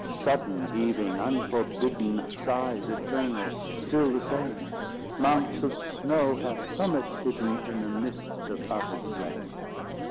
Sudden heaving, unforbidden Sighs eternal, still the same— Mounts of snow have summits hidden In the mists of uttered flame.